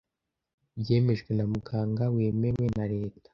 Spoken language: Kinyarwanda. byemejwe na Muganga wemewe na Leta